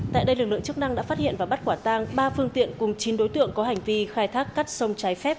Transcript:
tại đây lực lượng chức năng đã phát hiện và bắt quả tang ba phương tiện cùng chín đối tượng có hành vi khai thác cát sông trái phép